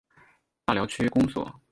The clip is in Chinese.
大寮区公所